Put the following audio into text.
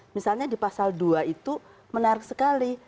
misalnya di pasal dua itu menarik sekali